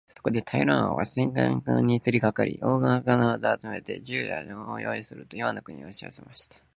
そこでタラカン王は戦のしたくに取りかかり、大へんな軍隊を集めて、銃や大砲をよういすると、イワンの国へおしよせました。